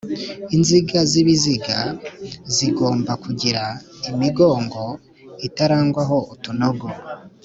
Inziga z'ibiziga zigomba kugira imigongo itarangwaho utunogo